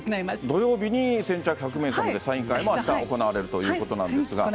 土曜日に先着１００名様でサイン会もあした行われるということですが。